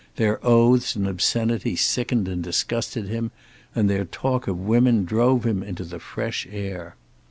Their oaths and obscenity sickened and disgusted him, and their talk of women drove him into the fresh air.